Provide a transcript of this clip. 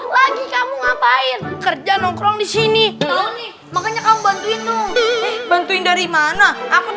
lagi kamu ngapain kerja nongkrong di sini makanya kamu bantu itu bantuin dari mana aku